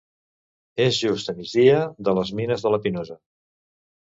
És just a migdia de les Mines de la Pinosa.